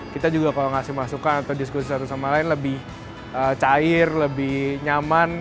kita juga kalau ngasih masukan atau diskusi satu sama lain lebih cair lebih nyaman